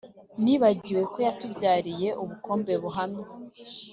Nibagirwe ko yatubyariye ubukombe buhamye